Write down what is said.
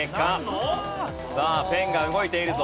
さあペンが動いているぞ。